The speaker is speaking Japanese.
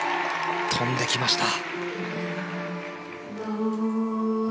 跳んできました。